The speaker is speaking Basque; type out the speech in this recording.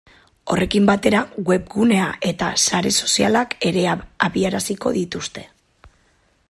Horrekin batera webgunea eta sare sozialak ere abiaraziko dituzte.